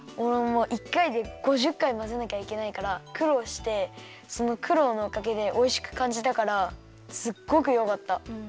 もう１かいで５０かいまぜなきゃいけないからくろうしてそのくろうのおかげでおいしくかんじたからすっごくよかった。